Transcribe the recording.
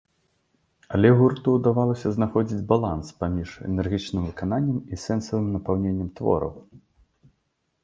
Але гурту ўдавалася знаходзіць баланс паміж энергічным выкананнем і сэнсавым напаўненнем твораў.